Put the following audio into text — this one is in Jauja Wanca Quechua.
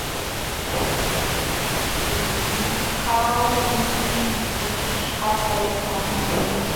Wiqawnishi utishqa kaykan,